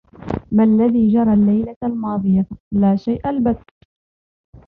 ”ما الذي جرى الليلة الماضية؟“ ”لا شيء البتة.“